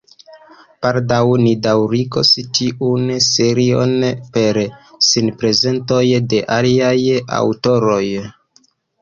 Baldaŭ ni daŭrigos tiun serion per sinprezentoj de aliaj aŭtoroj.